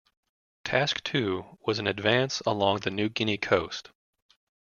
Task Two was an advance along the New Guinea coast.